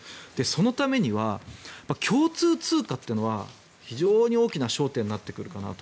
そのためには共通通貨というのは非常に大きな焦点になってくるかなと。